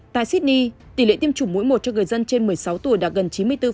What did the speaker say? tại sydney tỷ lệ tiêm chủng mỗi một cho người dân trên một mươi sáu tuổi đạt gần chín mươi bốn